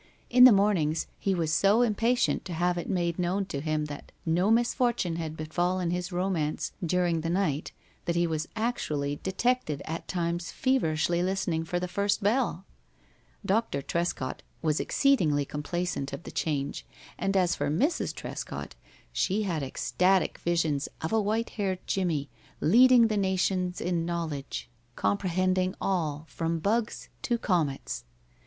In the mornings he was so impatient to have it made known to him that no misfortune had befallen his romance during the night that he was actually detected at times feverishly listening for the "first bell." Dr. Trescott was exceedingly complacent of the change, and as for Mrs. Trescott, she had ecstatic visions of a white haired Jimmie leading the nations in knowledge, comprehending all from bugs to comets.